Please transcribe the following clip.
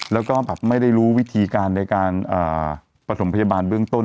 แล้วก็แบบไม่ได้รู้วิธีการในการประถมพยาบาลเบื้องต้น